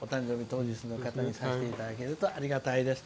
当日の方だけにしていただけるとありがたいです。